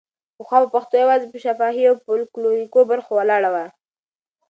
پخوا به پښتو یوازې په شفاهي او فولکلوریکو برخو ولاړه وه.